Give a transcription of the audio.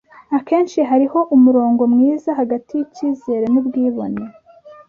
Akenshi hariho umurongo mwiza hagati yicyizere nubwibone.